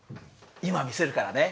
今見せるからね。